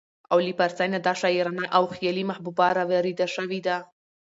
او له پارسۍ نه دا شاعرانه او خيالي محبوبه راوارده شوې ده